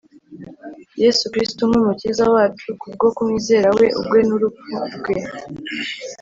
Yesu Kristo, nk'Umukiza wacu ku bwo kumwizera we ubwe n'urupfu rwe